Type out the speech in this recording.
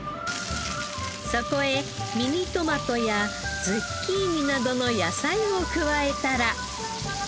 そこへミニトマトやズッキーニなどの野菜を加えたら。